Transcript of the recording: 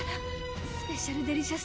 スペシャルデリシャス